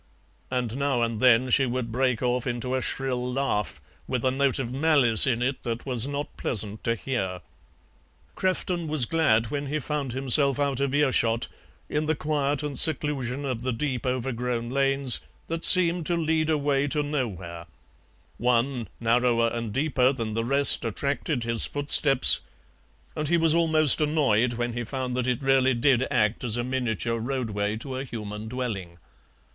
And now and then she would break off into a shrill laugh, with a note of malice in it that was not pleasant to hear. Crefton was glad when he found himself out of earshot, in the quiet and seclusion of the deep overgrown lanes that seemed to lead away to nowhere; one, narrower and deeper than the rest, attracted his footsteps, and he was almost annoyed when he found that it really did act as a miniature roadway to a human dwelling.